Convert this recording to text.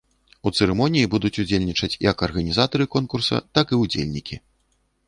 У цырымоніі будуць удзельнічаць як арганізатары конкурса, так і ўдзельнікі.